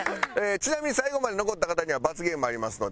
ちなみに最後まで残った方には罰ゲームありますので。